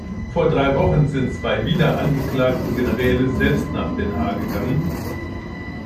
Vor drei Wochen sind zwei wiederangeklagte Generäle selbst nach Den Haag gegangen.